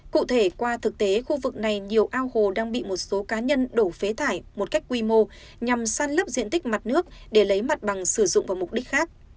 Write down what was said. cụ thể qua thực tế khu vực này nhiều ao hồ đang bị một số cá nhân đổ phế thải một cách quy mô nhằm săn lấp diện tích mặt nước để lấy mặt bằng sử dụng vào mục đích khác